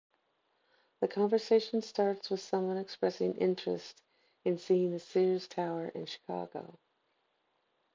The conversation starts with someone expressing interest in seeing the Sears Tower in Chicago.